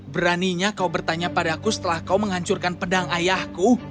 beraninya kau bertanya padaku setelah kau menghancurkan pedang ayahku